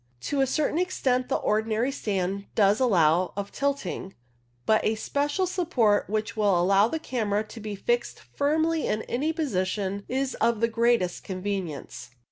To a certain extent the ordinary stand does allow of tilting, but a special support which will allow the camera to be fixed firmly in any position is of the greatest convenience.